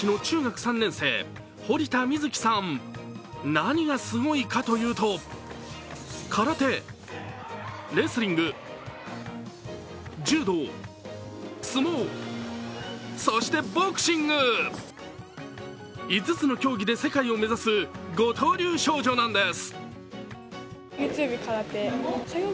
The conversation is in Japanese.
何がすごいかというと、空手、レスリング、柔道、相撲、そしてボクシング、５つの競技で世界を目指す五刀流少女なんです。